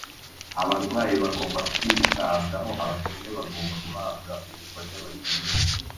abarwayi bagomba kwitabwaho, abakene bagomba guhabwa ubufasha bakeneye.